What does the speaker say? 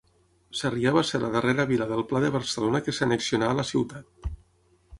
Sarrià va ser la darrera vila del pla de Barcelona que s'annexionà a la ciutat.